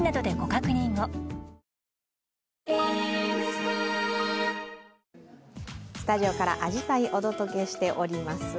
スタジオからあじさいお届けしております。